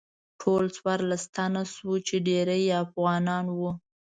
ټول څوارلس تنه شوو چې ډیری یې افغانان وو.